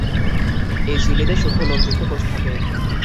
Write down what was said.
এই ঝিল্লিতে সূক্ষ্ম লোমযুক্ত কোষ থাকে।